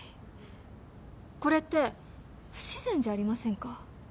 これって不自然じゃありませんか？